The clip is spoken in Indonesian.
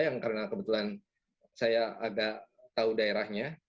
yang karena kebetulan saya agak tahu daerahnya